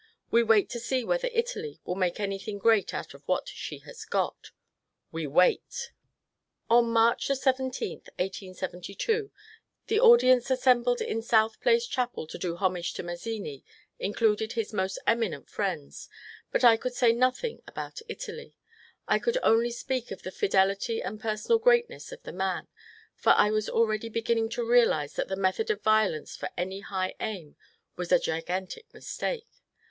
We wait to see whether Italy will make any thing great out of what she has got. We wait I On March 17, 1872, the audience assembled in South Place chapel to do homage to Mazzini included his most eminent friends, but I could say nothing about Italy. I could only speak of the fidelity and personal greatness of the man, for I was already beginning to realize that the method of violence for any high aim was a gigantic mistake.